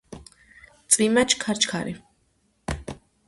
წვიმა ჩქარ ჩქარი.